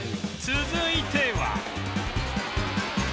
続いては